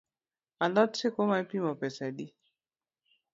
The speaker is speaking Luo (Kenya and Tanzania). A lot sikuma ipimo pesa adi?